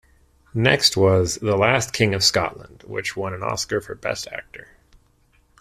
Next was "The Last King of Scotland", which won an Oscar for best actor.